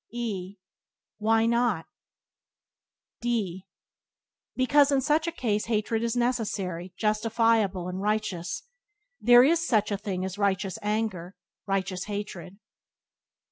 E Why not? D Because in such a case hatred is necessary, justifiable and righteous. There is such a thing as righteous anger, righteous hatred.